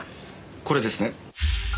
これですね。